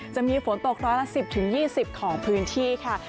จะมีฝนตกร้อยละ๑๐๒๐ของพื้นที่ค่ะ